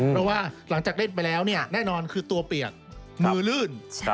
เพราะว่าหลังจากเล่นไปแล้วแน่นอนคือตัวเปลี่ยน